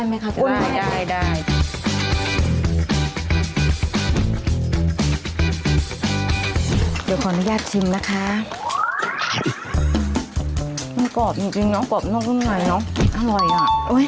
ไม่กรอบจริงเนอะกรอบน้อยบนในเนอะ